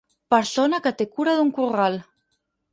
Persona que té cura d'un corral.